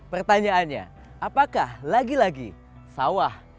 pertanyaannya apakah lagi lagi sawah